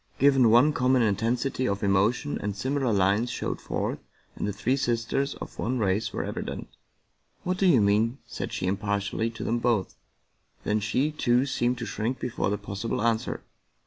Given one common intensity of emotion and similar lines showed forth, and the three sisters of one race were evident. " What do you mean ?" said she impartially to them both. Then she, too, seemed to shrink before a possible answer.